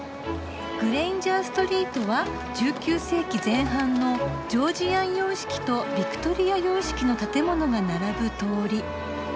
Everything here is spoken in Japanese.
「グレインジャーストリートは１９世紀前半のジョージアン様式とビクトリア様式の建物が並ぶ通り。